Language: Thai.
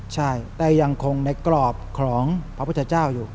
ใช่แต่ยังคงในกรอบของพระพุทธเจ้าอยู่